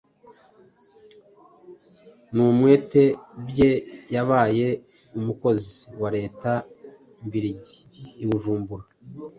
numwete bye, yabaye umukozi wa Leta Mbirigi i Bujumbura,